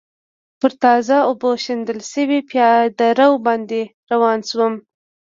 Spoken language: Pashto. پر تازه اوبو شیندل شوي پېاده رو باندې روان شوم.